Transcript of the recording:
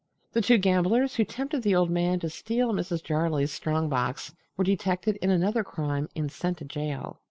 The two gamblers who tempted the old man to steal Mrs. Jarley's strong box were detected in another crime and sent to jail.